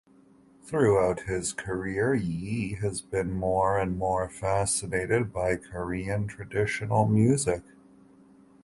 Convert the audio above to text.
Throughout his career Yi has been more and more fascinated by Korean traditional music.